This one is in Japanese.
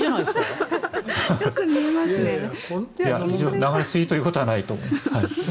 流れすぎということはないと思います。